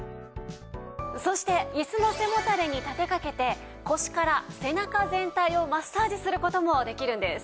そしてイスの背もたれに立てかけて腰から背中全体をマッサージする事もできるんです。